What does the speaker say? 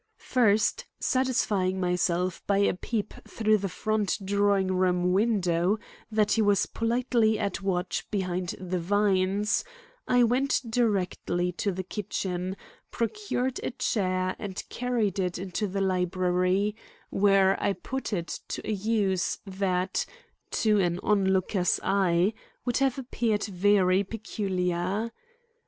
First, satisfying myself by a peep through the front drawing room window that he was positively at watch behind the vines, I went directly to the kitchen, procured a chair and carried it into the library, where I put it to a use that, to an onlooker's eye, would have appeared very peculiar.